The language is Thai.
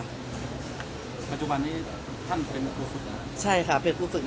ปัจจุบันนี้ท่านเป็นนักฟู้ศึกนะ